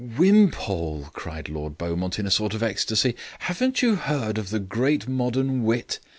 "Wimpole!" cried Lord Beaumont, in a sort of ecstasy. "Haven't you heard of the great modern wit?